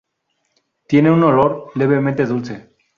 Tiene un olor levemente dulce.